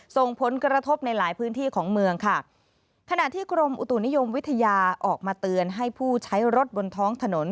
ส่งผลกระทบในหลายพื้นที่ของเมืองค่ะขณะที่กรมอุตุนิยมวิทยาออกมาเตือนให้ผู้ใช้รถบนท้องถนน